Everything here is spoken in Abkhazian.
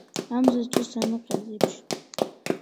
Амзаҿа саныҟаз еиԥш…